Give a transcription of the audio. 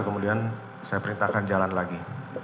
kemudian saya perintahkan jalan lagi